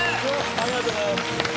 ありがとうございます。